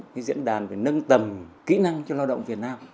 cái diễn đàn về nâng tầm kỹ năng cho lao động việt nam